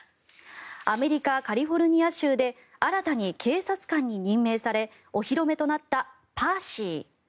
アメリカ・カリフォルニア州で新たに警察官に任命されお披露目となったパーシー。